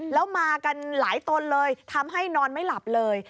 แล้วมากันหลายตนเลยทำให้นอนไม่หลับเลย